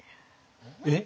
えっ？